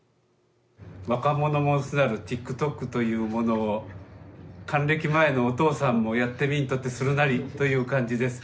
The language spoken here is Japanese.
若者もすなるＴｉｋＴｏｋというものを還暦前のお父さんもやってみんとてするなりという感じです。